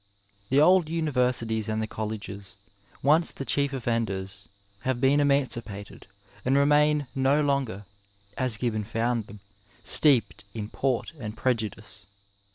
The old universities and the colleges, once the chief offenders, have been emancipated, and remain no longer, as Gibbon found them, steeped in port and prejudice.